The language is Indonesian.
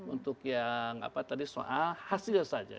untuk yang apa tadi soal hasil saja